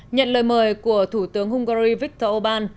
nhận lời mời của thủ tướng hungary viktor orbán